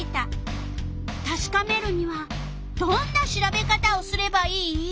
たしかめるにはどんな調べ方をすればいい？